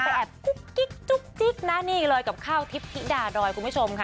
แอบกุ๊กกิ๊กจุ๊กจิ๊กนะนี่กับข้าวทิพย์พิดาดรอยคุณผู้ชมค่ะ